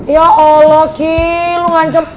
ya allah ki lo ngancep